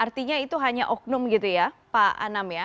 artinya itu hanya oknum gitu ya pak anam ya